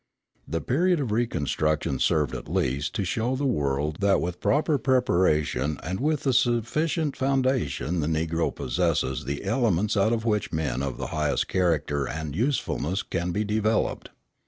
The period of reconstruction served at least to show the world that with proper preparation and with a sufficient foundation the Negro possesses the elements out of which men of the highest character and usefulness can be developed.